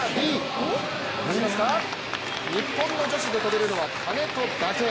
日本の女子で跳べるのは金戸だけ。